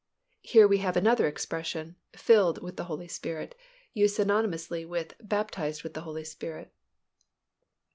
Here we have another expression "filled with the Holy Spirit" used synonymously with "baptized with the Holy Spirit."